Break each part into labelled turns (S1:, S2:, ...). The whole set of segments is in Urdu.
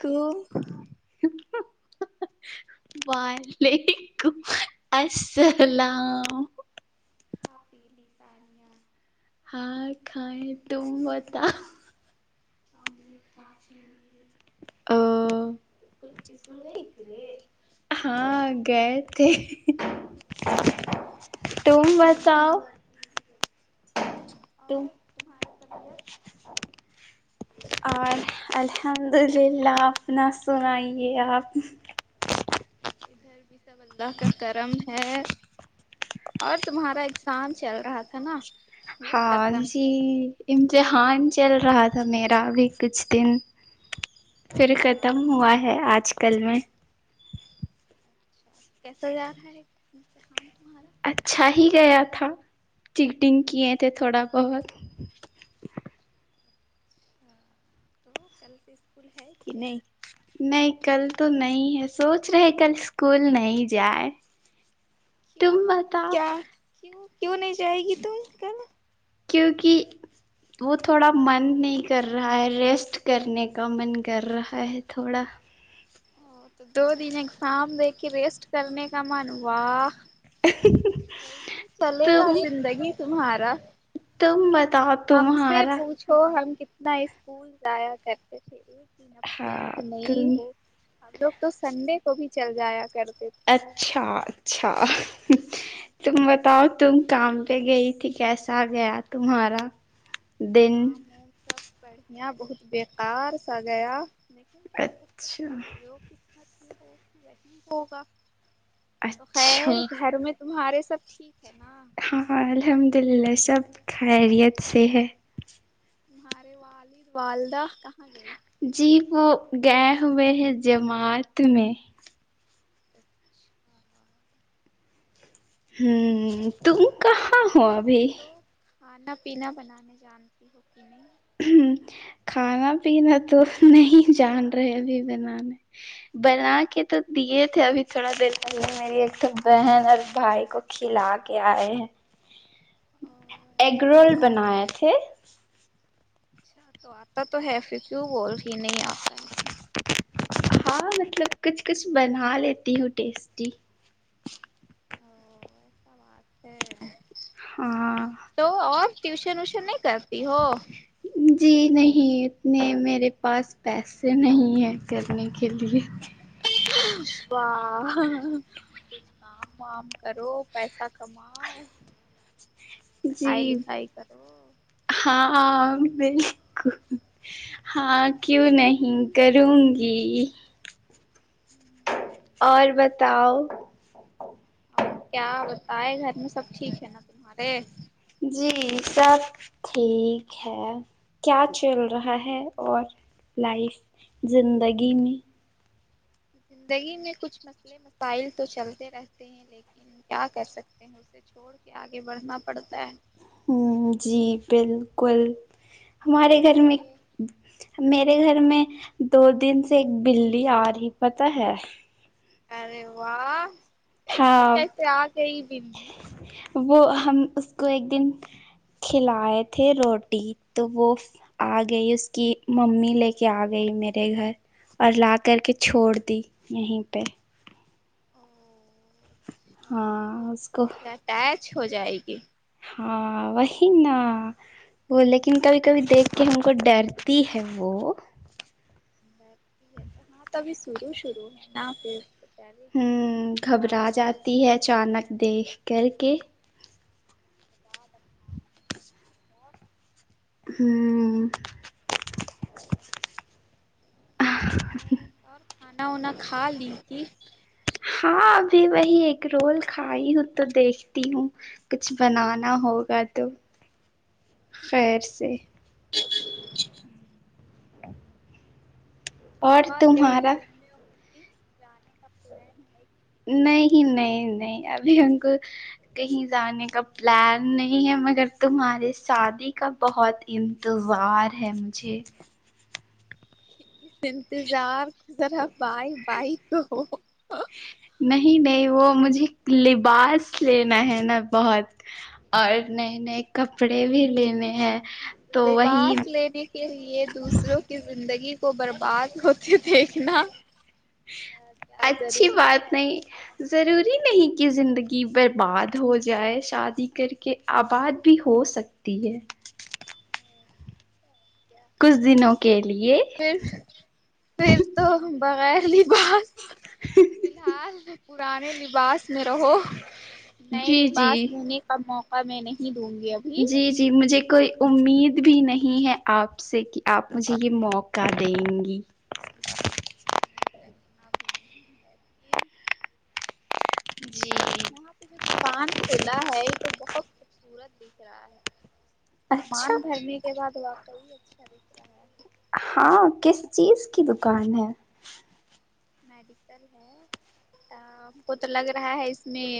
S1: رک [unintelligible]
S2: وعلیکم السلام
S1: آپ پیلی ثانیہ
S2: ہاں کھائے تم بتاو
S1: ہم بھی کھاپی لیے
S2: او
S1: اسکول گئی تھے
S2: ہاں گئے تھے تم بتاؤ
S1: اور
S2: تم
S1: تمہارا طبیعت
S2: اور الحمد للہ اپنا سنائیے آپ
S1: ادھر بھی سب اللہ کا کرم ہے اور تمہارا اگزام چل رہا تھا نا ہوا
S2: ہاں
S1: ختم
S2: جی امتحان چل رہا تھا میرا ابھی کچھ دن پھر
S1: اچھا
S2: ختم
S1: تو
S2: ہوا ہے آج کل میں
S1: اچھا کیسا گیا
S2: اچھا ہی گیا تھا چیٹنگ کیے تھے تھوڑا بہت
S1: نہیں
S2: نہیں کل تو نہیں ہے سوچ رہے کل اسکول نہیں جائے تم بتاؤ
S1: کیا کیوں نہیں جائے گی تم کل
S2: کیونکہ وہ تھوڑا من نہیں کر رہا ہے ریسٹ کرنے کا من کر رہا ہے تھوڑا
S1: او تو دو دن اگزام دیک کے ریسٹ کرنے کا من ہوا کیسے چلے گا
S2: تم
S1: زندگی تمہارا
S2: تم بتاؤ
S1: ہم سے
S2: تمہارا
S1: پوچھ تو ہم کتنا اسکول جایا کرتے تھے ایک دن اب
S2: ہاں
S1: ٹینٹ
S2: تم
S1: نہیں ہو ہم لوگ تو سنڈے کو بھی چل جایا کرتے تھے
S2: اچھا اچھا تم بتاؤ تم کام پہ گئی تھی کیسا گیا تمہارا دن
S1: کام سب بڑھیا بہت بیکار سا گیا تم کیا کر
S2: اچھا
S1: سکتے ہو وہ کس خر میں ہو کہ وہی ہوگا تو
S2: اچھا
S1: خیر گھر میں تمہارے سب ٹھیک ہے نا
S2: ہاں ہاں الحمد للہ سب خیریت سے ہے
S1: تمہارے والد والدہ کہاں گئے
S2: جی وہ گئے ہوئے ہیں جماعت میں
S1: اچھا
S2: امم تم کہاں ہو ابھی
S1: تو کھانا پینا بنانے جانتی ہو کہ نہیں
S2: امم کھانا پینا تو نہیں جان رہے ابھی بنانے بنا کے تو دیے تھے ابھی تھوڑا دیر پہلے میری ایک تو بہن اور بھائی کو کھلا کے آئے ہیں ایگ رول
S1: اچھا
S2: بنائے تھے
S1: اچھا تو آتا تو ہے پھر کیوں بول رہی ہے نہیں آتا ہے
S2: ہاں مطلب کچھ کچھ بنا لیتی ہوں ٹیسٹی
S1: او [unintelligible]
S2: ہاں
S1: تو اور ٹیوشن ویشن نہیں کرتی ہو
S2: جی نہیں اتنے میرے پاس پیسے نہیں ہیں کرنے کے لیے
S1: واہ کام وام کرو پیسہ کماؤ
S2: جی
S1: پڑھائی لکھائی کرو
S2: ہاں بالکل ہاں کیوں نہیں کروں گی اور بتاؤ
S1: اور کیا بتائے گھر میں سب ٹھیک ہے نا تمہارے
S2: جی سب ٹھیک ہے کیا چل رہا ہے اور لائف زندگی میں
S1: زندگی میں کچھ مسئلے مسائل تو چلتے رہتے ہیں لیکن کیا کر سکتے ہیں اسے چھوڑ کے آگے بڑھنا پڑتا ہے
S2: ہمم جی بالکل ہمارے گھر میں میرے گھر میں دو دن سے ایک بلی آ رہی پتہ ہے
S1: ارے واہ ایسے
S2: ہاں
S1: کسے آگئی بللی
S2: وہ ہم اس کو ایک دن کھلائے تھے روٹی تو وہ آ گئی اس کی ممی لے کے آ گئی میرے گھر اور لا کر کے چھوڑ دی یہیں پے
S1: ہاں تو
S2: اس
S1: تم
S2: کو
S1: سے اٹچ ہو جائے گی
S2: ہاں وہی نا وہ لیکن کبھی کبھی دیکھ کے ہم کو ڈرتی ہے وہ
S1: ابھی شروع شروع ہے نا پھر [unintelligible] نہیں اس
S2: ہمم
S1: کے بعد
S2: گھبرا
S1: پھر
S2: جاتی
S1: اپنا
S2: ہے اچانک دیکھ کر کے
S1: کیا بتاؤں اور
S2: ہمم
S1: پہلے اور کھانا وانا کھا لی کی
S2: ہاں ابھی وہی ایگ رول کھائی ہوں تو دیکھتی ہوں کچھ بنانا ہوگا تو خیر سے
S1: اور کہیں گھومنے ومنے جانے کا پلان ہے کہ
S2: نہیں نہیں نہیں ابھی ان کو کہیں جانے کا پلان نہیں ہے مگر تمہارے شادی کا بہت انتظار ہے مجھے
S1: اس انتظار کو ذرا بائے بائے کہو
S2: نہیں نہیں وہ مجھے لباس لینا ہے نا بہت اور نئے نئے کپڑے بھی لینے ہیں تو وہی
S1: لباس لینے کے لیے دوسروں کی زندگی کو برباد ہوتے دیکھنا کیا
S2: اچھی
S1: ضروری
S2: بات
S1: ہے
S2: نہیں ضروری نہیں کہ زندگی برباد ہو جائے شادی کر کے آباد بھی ہو سک تی ہے کچھ دنوں کے لیے
S1: پھر پھر تو بغیر لی بات فی الحال پرانے لباس میں رہو نئے
S2: جی
S1: لباس
S2: جی
S1: ہونے کا موقع میں نہیں دوں گی ابھی
S2: جی جی مجھے کوئی امید بھی نہیں ہے آپ سے کہ آپ مجھے یہ موقع دیں گی
S1: [unintelligible] اد رکھنا بھی نہیں ہے اب
S2: جی
S1: یہاں پہ جو دکان کھلا ہے یہ تو بہت خوبصورت دکھ رہا ہے
S2: اچھا
S1: سامان بھرنے کے بعد واقعی اچھا دکھ رہا ہے
S2: ہاں کس چیز کی دکان ہے
S1: میڈیکل ہےہاں ہم کو تو لگ رہا ہے اس میں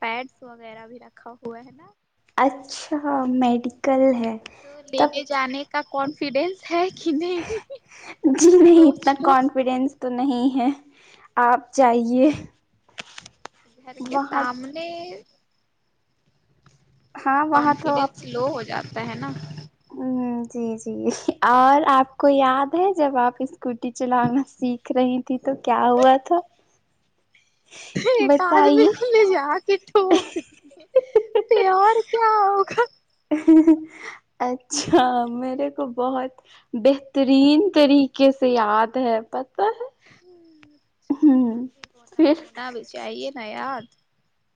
S1: پیڈس وغیرہ بھی رکھا ہوا ہے نا
S2: اچھا میڈیکل ہے
S1: تو لینے
S2: تب
S1: جانے کا کانفیڈینس ہے کہ نہیں
S2: جی نہیں
S1: سوچ
S2: اتنا
S1: لو
S2: کانفیڈینس تو نہیں ہے آپ جائیے
S1: گھر کے
S2: وہاں
S1: سامنے تھوڑا
S2: ہاں وہاں
S1: کانفیڈنس لو ہو جاتا ہے نا
S2: امم جی جی اور آپ کو یاد ہے جب آپ اس اسکوٹی چلانا سیکھ رہی تھی تو کیا ہوا تھا
S1: ایک آدمی
S2: بتائیے
S1: کو لے جا کے ٹھوک دیے تھے پیار کیا ہوگا
S2: اچھا میرے کو بہت بہترین طریقے سے یاد ہے پت ہے
S1: اچھا
S2: ہ
S1: یاد بھی ہونا
S2: پھر
S1: ہونا بھی چاہیے نا یاد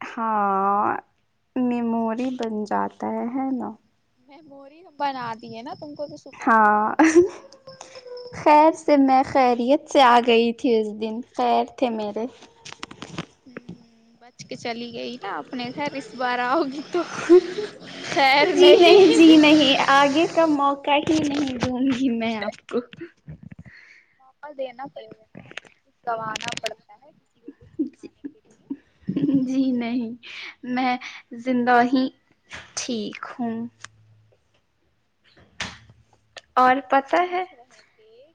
S2: ہاں میموری بن جاتا ہے ہے نا
S1: میموری بنا دیے نا تم کو تو شکر گزار
S2: ہاں
S1: ہونا چاہیے
S2: خیر سے میں خیریت سے آ گئی تھی اس دن خیر تھے میرے
S1: ہوں بچ کے چلی گئی میں اپنے گھر ایک بار آؤگی تو خیر نہیں
S2: یہ آگے کا موقع کہیں نہیں دوں گی میں آپ کو
S1: موقع دینا پڑے گا نا کہ کچھ گوانا پڑتا ہے کسی کو کچھ سکھانے کے لیے
S2: جی نہیں میں زندہ ہی ٹھیک ہوں اور
S1: وہ
S2: پتہ ہے
S1: پوچھ رہے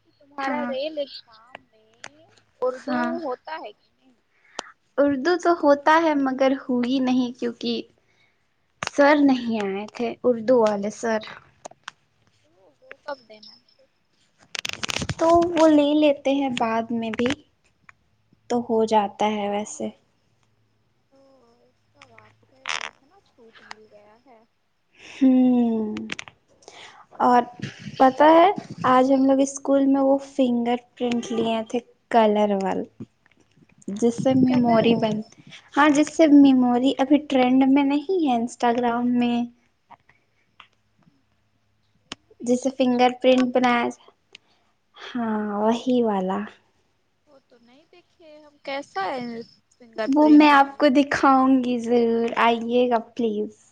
S1: کہ تمہارا
S2: ہاں
S1: ریل اگزام میں اردو
S2: ہاں
S1: ہوتا ہے کہ نہیں
S2: اردو تو ہوتا ہے مگر ہوئی نہیں کیونکہ سر نہیں آئے تھے اردو والے سر
S1: وہ وہ کم دینا
S2: تو وہ لے لیتے ہیں بعد میں بھی تو ہو جاتا ہے ویسے
S1: تو اس کا باپ سے اسے نا چھوٹ مل گیا ہے
S2: ہمم اور پتہ ہے آج ہم لوگ اسکول میں وہ فنگر پرنٹ لیے تھے کلر وال جیس سے
S1: کلر
S2: میموری
S1: والا
S2: بنتی ہاں جس سے میموری ابھی ٹرینڈ میں نہیں ہے انسٹاگرام میں جیسے فنگر
S1: انسٹا
S2: پرنٹ
S1: میں
S2: بنایا ہاں وہی والا
S1: وہ تو نہیں دیکھے ہم کیسا ہے فنگر
S2: وہ میں
S1: پرنٹ
S2: آپ
S1: والا
S2: کو دکھاؤں گی ضرور آئیے گا پلیز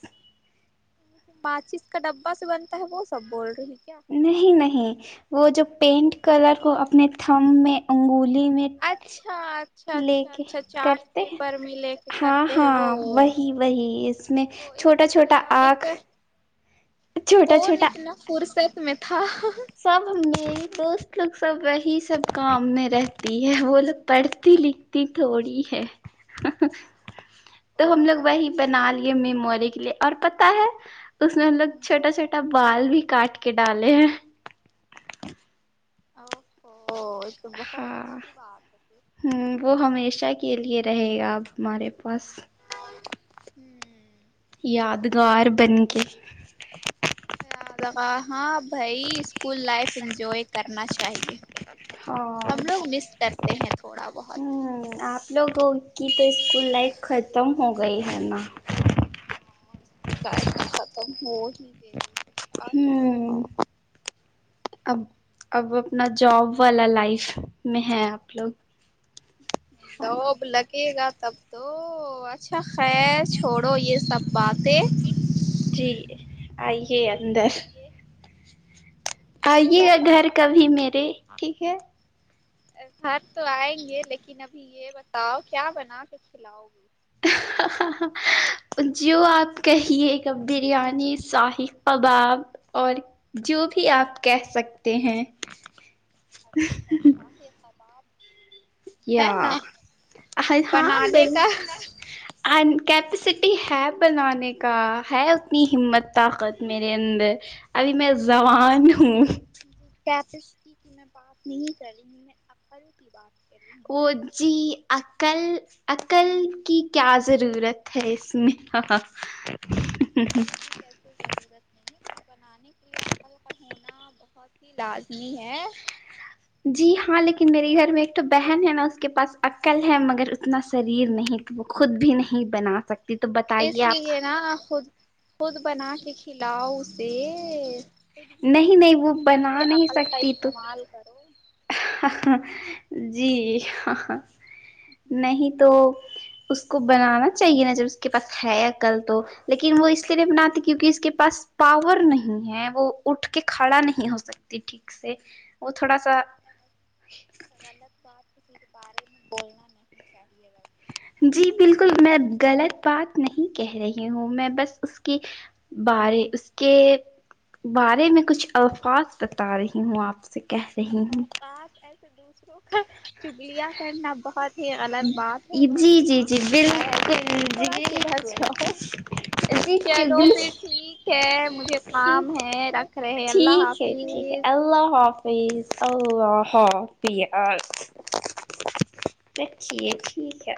S1: ماچس کا ڈبہ سے بنتا ہے وہ سب بول رہی کیا
S2: نہیں نہیں وہ جو پینٹ کلر کو اپنے تھم میں انگولی میں
S1: اچھا اچھا
S2: لے
S1: اچھا
S2: کے
S1: اچھا چارٹ
S2: کرتے ہیں
S1: پیپر میں لے کے
S2: ہاں
S1: کرتے ہیں وہ
S2: ہاں وہی وہی اس میں
S1: وہ
S2: چھوٹا
S1: اتنا
S2: چھوٹا
S1: کرانے
S2: آنکھ
S1: کا
S2: چھوٹا
S1: کون
S2: چھوٹا
S1: اتنا فرصت میں تھا
S2: سب میری دوست لوگ سب وہی سب کام میں رہتی ہے وہ لوگ پڑھتی لک تی تھوڑی ہے تو ہم لوگ وہی بنا لیے میموری کے لیے اور پتہ ہے اس میں ہم لوگ چھوٹا چھوٹا بال بھی کاٹ کے ڈالے ہیں
S1: اوفو یے تو بہت اچھی بات ہے پھر
S2: ہمم وہ ہمیشہ کے لیے رہے گا اب ہمارے پاس
S1: ہوں
S2: یادگار بن کے
S1: ہاں بھائی اسکول لائف انجوائے کرنا چاہیئے
S2: ہاں
S1: ہم لوگ مس کرتے ہیں تھوڑا بہت
S2: ہمم آپ لوگوں کی تو اسکول لائف ختم ہو گئی ہے نا
S1: ہاں اسکول لائف تو ختم ہو ہی گئی کیا کر سک
S2: ہوں اب اب اپنا جاب والا لائف میں ہے آپ لوگ ہے نا
S1: جاب لگے گا تب تو اچھا خیر چھوڑو یے سب باتیں
S2: جی آئیے اندر
S1: یے
S2: آئیے گا گھر
S1: بتاؤ
S2: کبھی میرے ٹھیک ہے
S1: گھر تو آئیں گے لیکن ابھی یے بتاؤ کیا بنا کے کھلاؤ گی
S2: جو آپ کہیے گا بریانی ساہی کباب اور جو بھی آپ کہہ سکتے ہیں
S1: اچھا شاہی کباب ہے
S2: یا
S1: نا بنانے کا
S2: ان کیپیسٹی ہے بنانے کا ہے اتنی ہمت طاقت میرے اندر ابھی میں زاون ہوں
S1: جی کیپیسٹی کی میں بات نہیں کر رہی میں عقل کی بات کر رہی ہوں
S2: وہ جی عقل عقل کی کیا ضرورت ہے اس میں
S1: کیوں ضرورت نہیں ہے کچھ بنانے کے لیے عقل کا ہونا بہت ہی لازمی ہے
S2: جی ہاں لیکن میرے گھر میں ایک تو بہن ہے نا اس کے پاس عقل ہے مگر اتنا شریر نہیں وہ خود بھی نہیں بنا سکتے
S1: اس لیے نا خود خود بنا کے کھلاؤ اسے خود بھی
S2: نہیں نہیں
S1: سیکھو
S2: وہ
S1: خود
S2: بنا
S1: بھی
S2: نہیں
S1: عقل کا
S2: سکتی تو
S1: استعمال کرو
S2: جی نہیں تو اس کو بنانا چاہیے نا جب اس کے پاس ہے عقل تو لیکن وہ اس لیے نہیں بناتی کیونکی اس کے پاس پاور نہیں ہے وہ اٹھ کے کھڑا نہیں ہو سکتی ٹھیک سے وہ تھوڑا سا
S1: غلط بات کسی کے بارے میں بولنا نہیں چاہیے بس
S2: جی بالکل میں غلط بات نہیں کہہ رہی ہوں میں بس اس کی بارے اس کے بارے میں کچھ الفاظ بتا رہی ہوں آپ سے کہہ رہی ہوں
S1: پر دوسروں کا چگلیاں کرنا بہت یے غلط بات ہے بہت
S2: جی جی
S1: گناہ
S2: جی
S1: ملتا ہے ایسے
S2: بالکل جی
S1: تھوڑا سدھر جاؤ
S2: بالکل جی جی
S1: چلو پھر
S2: بالکل
S1: ٹھیک ہے مجھے کام ہے رکھ رہے اللہ حاف
S2: ٹھیک ٹھیک ہے اللہ حافظ اللہ حافظ رکھیے ٹھیک ہے